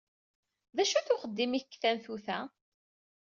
D acu-t uxeddim-ik deg tanut-a?